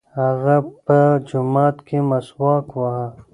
هغه په جومات کې مسواک واهه.